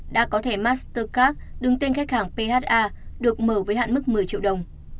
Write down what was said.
đã có thẻ mastercard đứng tên khách hàng pha được mở với hạn mức một mươi triệu đồng